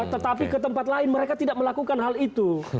tetapi ke tempat lain mereka tidak melakukan hal itu